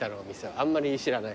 あんまり知らない？